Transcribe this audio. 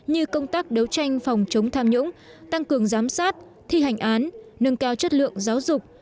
như công tác đấu tranh phòng chống tham nhũng tăng cường giám sát thi hành án nâng cao chất lượng giáo dục